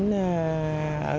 bán nguyên liệu